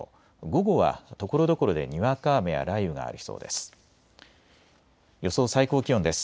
午後はところどころでにわか雨や雷雨がありそうです。